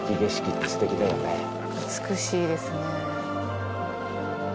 美しいですね。